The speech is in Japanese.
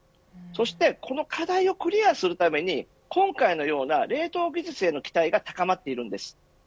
この課題をクリアするために今回のような冷凍技術への期待が高まっているんです。